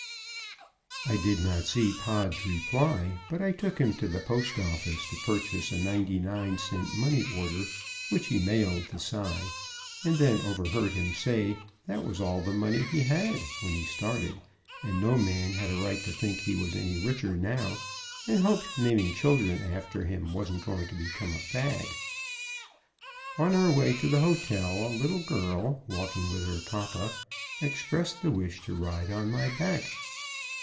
I did not see Pod's reply, but I took him to the post office to purchase a ninety nine cent money order, which he mailed to Cy, and overheard him say that was all the money he had when he started and no man had a right to think he was any richer now, and hoped naming children after him wasn't going to become a fad. On our way to the hotel a little girl, walking with her papa, expressed the wish to ride on my back.